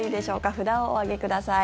札をお上げください。